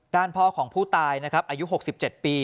ด้านพ่อของผู้ตายนะครับอายุ๖๗ปี